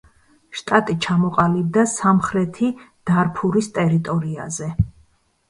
შტატი ჩამოყალიბდა სამხრეთი დარფურის ტერიტორიაზე.